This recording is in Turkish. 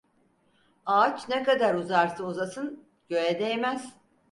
Ağaç ne kadar uzarsa uzasın göğe değmez.